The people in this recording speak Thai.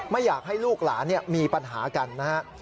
ไม่อยากให้ลูกหลานมีปัญหากันนะครับ